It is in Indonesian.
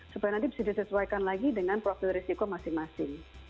supaya nanti bisa disesuaikan lagi dengan profil risiko masing masing